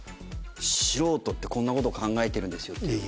素人ってこんな事を考えてるんですよという。